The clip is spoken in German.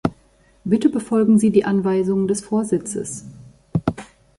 Bitte befolgen Sie die Anweisungen des Vorsitzes.